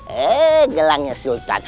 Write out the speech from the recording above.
heeh gelangnya sultan